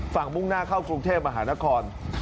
มุ่งหน้าเข้ากรุงเทพมหานคร